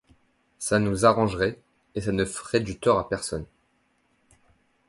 Ça nous arrangerait, et ça ne ferait du tort à personne.